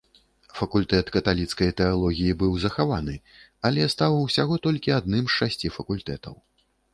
Факультэт каталіцкай тэалогіі быў захаваны, але стаў усяго толькі адным з шасці факультэтаў.